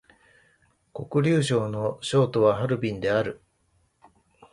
黒竜江省の省都はハルビンである